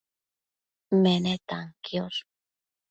menetan quiosh